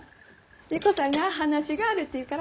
優子さんが話があるって言うから。